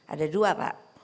ada dua pak